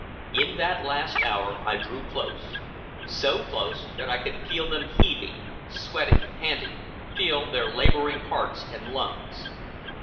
In that last hour I drew close so close that I could feel them heaving, sweating, panting, feel their laboring hearts and lungs.